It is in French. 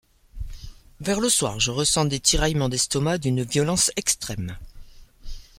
Vers le soir, je ressens des tiraillements d’estomac d’une violence extrême.